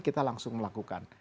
kita langsung melakukan